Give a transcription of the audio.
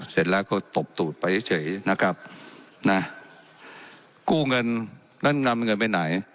เสร็จแล้วก็ตบตูดไปเฉยนะครับนะกู้เงินนั้นนำเงินไปไหน